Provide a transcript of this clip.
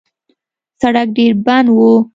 سړک ډېر بند و.